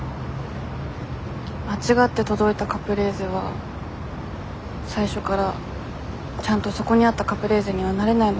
間違って届いたカプレーゼは最初からちゃんとそこにあったカプレーゼにはなれないのかなって。